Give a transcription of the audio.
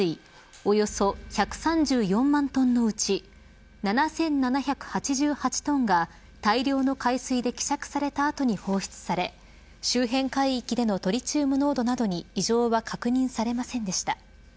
およそ１３４万トンのうち７７８８トンが大量の海水で希釈された後に放出され周辺海域でのトリチウム濃度などに異常は確認されませんでした。